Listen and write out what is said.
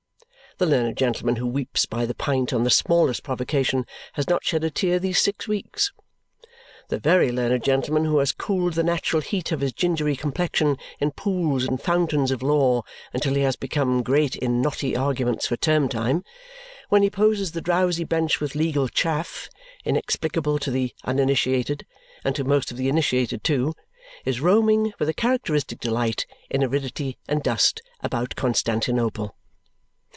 The learned gentleman who weeps by the pint on the smallest provocation has not shed a tear these six weeks. The very learned gentleman who has cooled the natural heat of his gingery complexion in pools and fountains of law until he has become great in knotty arguments for term time, when he poses the drowsy bench with legal "chaff," inexplicable to the uninitiated and to most of the initiated too, is roaming, with a characteristic delight in aridity and dust, about Constantinople.